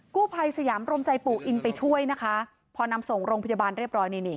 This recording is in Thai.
กู้ภัยสยามรมใจปู่อินไปช่วยนะคะพอนำส่งโรงพยาบาลเรียบร้อยนี่นี่